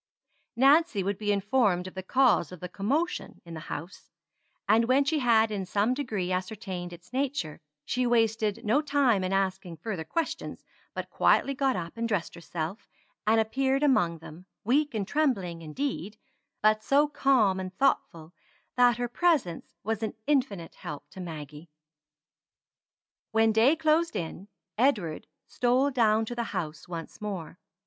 Nancy would be informed of the cause of the commotion in the house; and when she had in some degree ascertained its nature, she wasted no time in asking further questions, but quietly got up and dressed herself; and appeared among them, weak and trembling, indeed, but so calm and thoughtful, that her presence was an infinite help to Maggie. When day closed in, Edward stole down to the house once more.